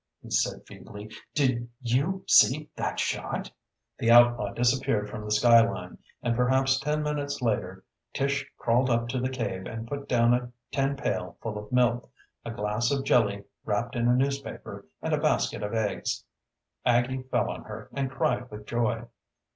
he said feebly. "Did you see that shot?" The outlaw disappeared from the skyline and perhaps ten minutes later Tish crawled up to the cave and put down a tin pail full of milk, a glass of jelly wrapped in a newspaper, and a basket of eggs. Aggie fell on her and cried with joy.